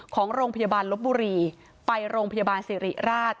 ของโรงพยาบาลลบบุรีไปโรงพยาบาลสิริราช